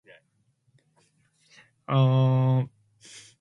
The range extends into northern India.